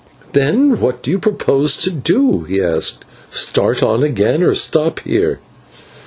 "Then what do you propose to do?" he asked. "Start on again, or stop here?"